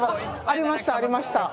ありましたありました。